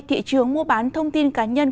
thị trường mua bán thông tin cá nhân